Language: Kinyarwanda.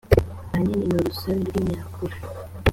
ahanini n urusobe rw imyakura